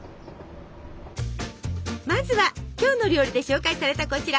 まずは「きょうの料理」で紹介されたこちら！